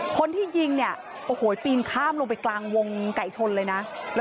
คนที่ยิงเนี่ยโอ้โหปีนข้ามลงไปกลางวงไก่ชนเลยนะ